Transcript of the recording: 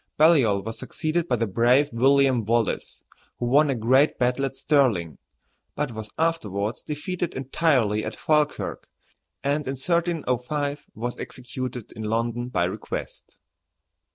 Baliol was succeeded by the brave William Wallace, who won a great battle at Stirling, but was afterwards defeated entirely at Falkirk, and in 1305 was executed in London by request.